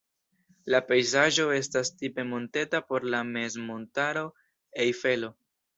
La pejzaĝo estas tipe monteta por la mezmontaro Ejfelo.